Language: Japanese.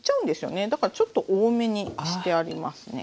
だからちょっと多めにしてありますね。